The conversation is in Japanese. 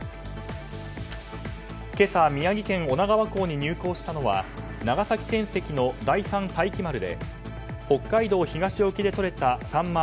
今朝、宮城県女川港に入港したのは長崎船籍の「第３太喜丸」で北海道東沖でとれたサンマ